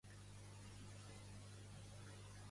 Els seus pares eren Nut i Geb?